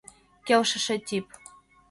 КЕЛШЫШЕ ТИП